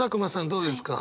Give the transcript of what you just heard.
どうですか？